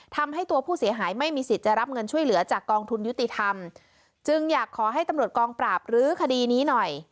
ทำให้ตัวผู้เสียหายไม่มีสิทธิ์จะรับเงินช่วยเหลือจากกองทุนยุติธรรมจึงอยากขอให้ตำรวจกองปราบรื้อคดีนี้หน่อย